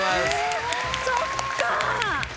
そっか。